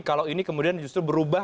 kalau ini kemudian justru berubah